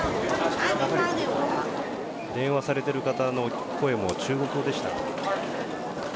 電話されている方の声も中国語でした。